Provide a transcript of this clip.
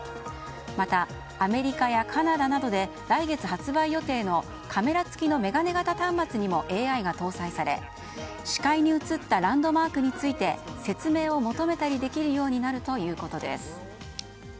またアメリカやカナダなどで来月発売予定のカメラ付きの眼鏡型端末にもＡＩが搭載され視界に映ったランドマークについて説明を求めたりできるようになるということです。